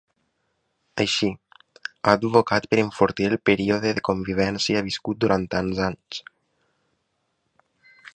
Així, ha advocat per “enfortir” el període de convivència viscut “durant tants anys”.